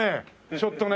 ちょっとね